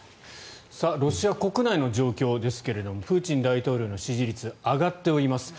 ロシア国内の状況ですがプーチン大統領の支持率上がっております。